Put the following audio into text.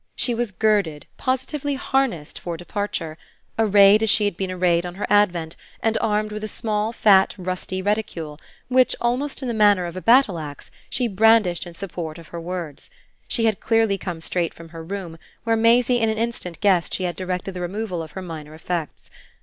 She was girded positively harnessed for departure, arrayed as she had been arrayed on her advent and armed with a small fat rusty reticule which, almost in the manner of a battle axe, she brandished in support of her words. She had clearly come straight from her room, where Maisie in an instant guessed she had directed the removal of her minor effects.